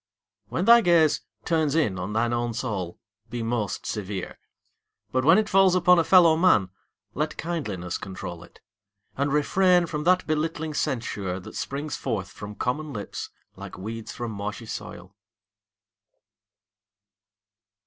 When thy gaze Turns in on thine own soul, be most severe. But when it falls upon a fellow man Let kindliness control it; and refrain From that belittling censure that springs forth From common lips like weeds from marshy soil.